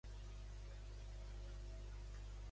Homer menciona també a Demèter i Baubo?